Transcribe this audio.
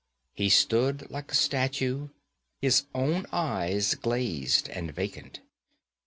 He stood like a statue, his own eyes glazed and vacant.